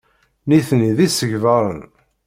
Nitni d isegbaren.